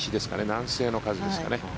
南西の風ですかね。